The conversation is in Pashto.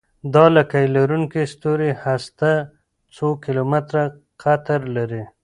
د لکۍ لرونکي ستوري هسته څو کیلومتره قطر لري.